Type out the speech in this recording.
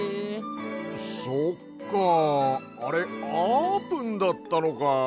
そっかあれあーぷんだったのか。